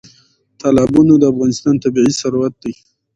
تالابونه د افغانستان طبعي ثروت دی.